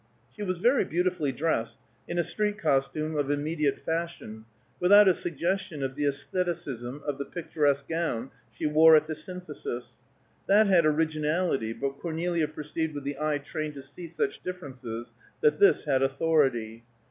She was very beautifully dressed, in a street costume of immediate fashion, without a suggestion of the æstheticism of the picturesque gown she wore at the Synthesis; that had originality, but Cornelia perceived with the eye trained to see such differences, that this had authority.